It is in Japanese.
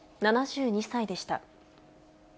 ７２歳でした。